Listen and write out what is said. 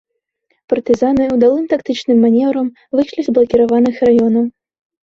Партызаны ўдалым тактычным манеўрам выйшлі з блакіраваных раёнаў.